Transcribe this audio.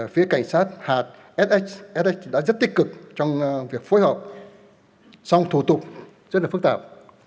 phía cảnh sát hạt so đã rất tích cực trong việc phối hợp song thủ tục rất là phức tạp